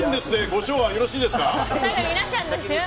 ご唱和よろしいですか。